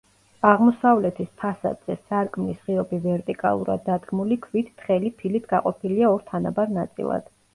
აღმოსავლეთის ფასადზე სარკმლის ღიობი ვერტიკალურად დადგმული ქვით თხელი ფილით გაყოფილია ორ თანაბარ ნაწილად.